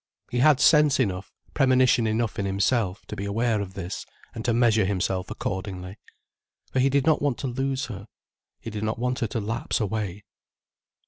He had sense enough, premonition enough in himself, to be aware of this and to measure himself accordingly. For he did not want to lose her: he did not want her to lapse away.